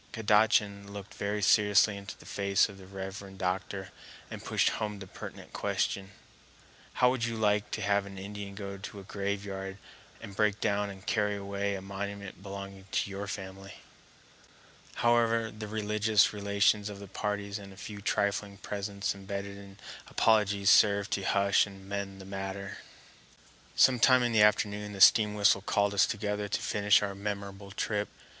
Kadachan looked very seriously into the face of the reverend doctor and pushed home the pertinent question: "How would you like to have an Indian go to a graveyard and break down and carry away a monument belonging to your family?" However, the religious relations of the parties and a few trifling presents embedded in apologies served to hush and mend the matter. Some time in the afternoon the steam whistle called us together to finish our memorable trip.